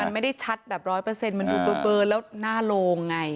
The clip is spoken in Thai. มันไม่ได้ชัดแบบร้อยเปอร์เซ็นต์มันดูเบอร์แล้วหน้าโรงไง